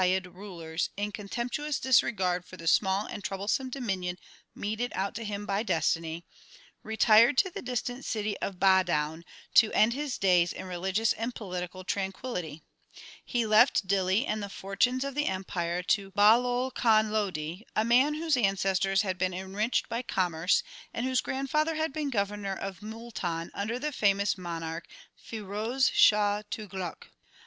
INTRODUCTION Ixxi rulers, in contemptuous disregard for the small and trouble some dominion meted out to him by destiny, retired to the distant city of Badaun to end his days in religious and political tranquillity. He left Dihli and the fortunes of empire to Bahlol Khan Lodi, a man whose ancestors had been enriched by commerce, and whose grandfather had been Governor of Multan under the famous monarch Firoz Shah Tughlak.